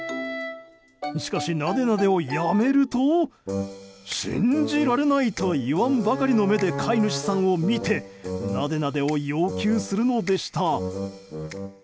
しかし、なでなでをやめると信じられないといわんばかりの目で飼い主さんを見てなでなでを要求するのでした。